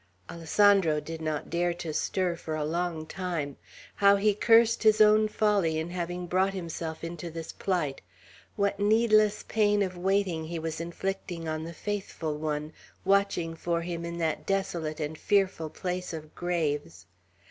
Alessandro did not dare to stir for a long time. How he cursed his own folly in having brought himself into this plight! What needless pain of waiting he was inflicting on the faithful one, watching for him in that desolate and fearful place of graves!